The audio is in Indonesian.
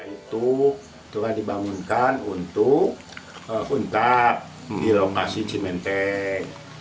itu telah dibangunkan untuk unta di lokasi cimenteng